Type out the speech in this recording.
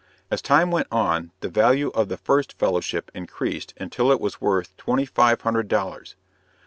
As time went on, the value of the first fellowship increased until it was worth twenty five hundred dollars.